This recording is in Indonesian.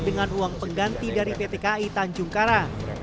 dengan uang pengganti dari ptki tanjung karang